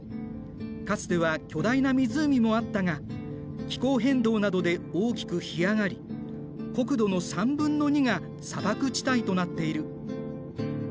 かつては巨大な湖もあったが気候変動などで大きく干上がり国土の３分の２が砂漠地帯となっている。